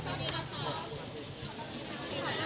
พระศักดิ์ไทย